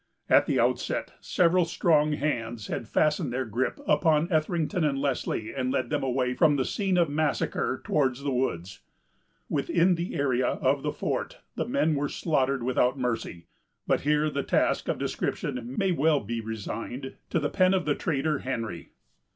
At the outset, several strong hands had fastened their gripe upon Etherington and Leslie, and led them away from the scene of massacre towards the woods. Within the area of the fort, the men were slaughtered without mercy. But here the task of description may well be resigned to the pen of the trader, Henry.